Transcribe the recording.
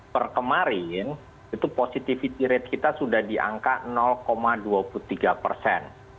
perkemarin itu positivity rate kita sudah diangkat dua puluh tiga persen